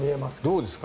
どうですか？